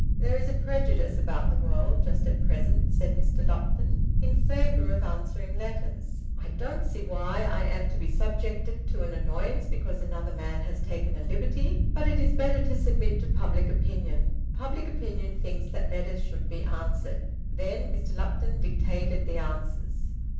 "There is a prejudice about the world just at present," said Mr. Lupton, "in favour of answering letters. I don't see why I am to be subjected to an annoyance because another man has taken a liberty. But it is better to submit to public opinion. Public opinion thinks that letters should be answered." Then Mr. Lupton dictated the answers.